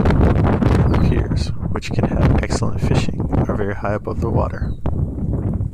The piers, which can have excellent fishing, are very high above the water.